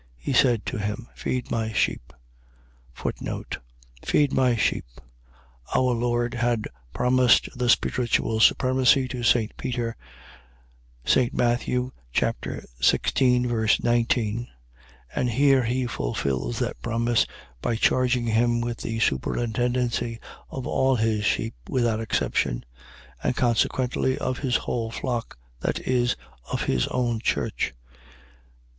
He said to him: Feed my sheep. Feed my sheep. . .Our Lord had promised the spiritual supremacy to St. Peter; St. Matt. 16. 19; and here he fulfils that promise, by charging him with the superintendency of all his sheep, without exception; and consequently of his whole flock, that is, of his own church.